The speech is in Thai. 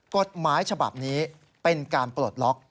กฎหมายฉบับนี้เป็นการปลดล็อก